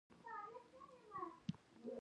• هر کتاب، یو نوی فکر درکوي.